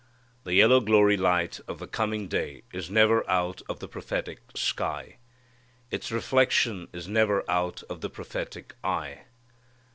The yellow glory light of the coming day is never out of the prophetic sky. Its reflection is never out of the prophetic eye.